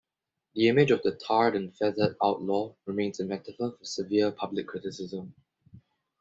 The image of the tarred-and-feathered outlaw remains a metaphor for severe public criticism.